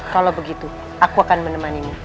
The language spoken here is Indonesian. kalau begitu aku akan menemanimu